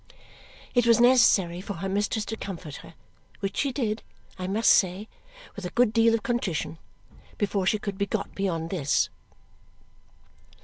It was necessary for her mistress to comfort her which she did, I must say, with a good deal of contrition before she could be got beyond this.